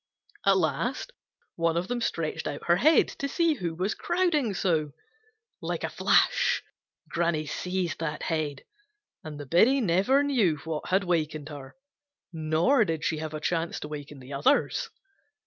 At last one of them stretched out her head to see who was crowding so. Like a flash Granny seized that head, and biddy never knew what had wakened her, nor did she have a chance to waken the others.